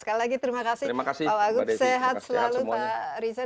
sekali lagi terima kasih pak wagub sehat selalu pak riza